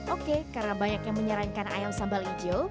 oke karena banyak yang menyarankan ayam sambal hijau